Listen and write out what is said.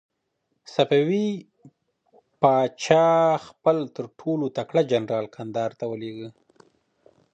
صفوي پاچا خپل تر ټولو تکړه جنرال کندهار ته ولېږه.